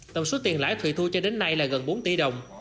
tổng số tiền lãi thùy thu cho đến nay là gần bốn tỷ đồng